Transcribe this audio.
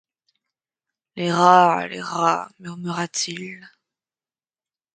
Les rats, les rats, murmura-t-il.